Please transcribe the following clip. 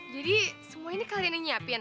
jadi semua ini kalian yang nyiapin